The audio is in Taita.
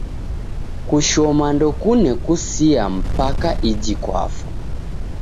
Kushoma ndokune kusia mpaka iji kwafa